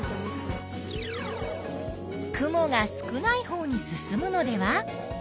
「雲が少ないほうに進むのでは？」という予想。